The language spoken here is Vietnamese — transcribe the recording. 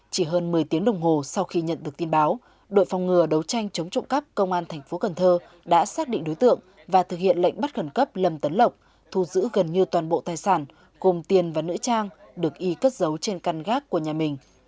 chỉ hơn một mươi tiếng đồng hồ sau khi nhận được tin báo đội phòng ngừa đấu tranh chống trụng cấp công an thành phố cần thơ đã xác định đối tượng và thực hiện lệnh bắt cẩn cấp lầm tấn lọc thu giữ gần như toàn bộ tài sản cùng tiền và nữ trang được y cất giấu trên căn gác của nhà mình